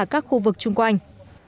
các khu vực chung quanh